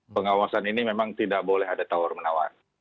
pengawasan ini memang tidak boleh ada tawar menawar